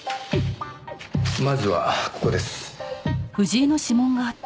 まずはここです。